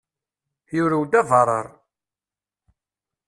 Yurew-d abarrar.